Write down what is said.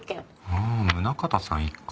ああ宗像さん一家。